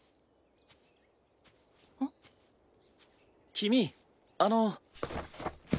君あの。